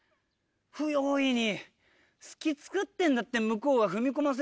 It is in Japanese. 不用意に隙つくってんだって向こうが踏み込ませる隙を。